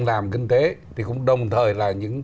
làm kinh tế thì cũng đồng thời là